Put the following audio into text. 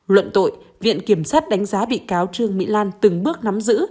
luận tội viện kiểm sát đánh giá bị cáo trương mỹ lan từng bước nắm giữ